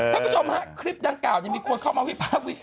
ทุกผู้ชมฮะคลิปดังกล่าวยังมีคนเข้ามาพี่พระอาหาร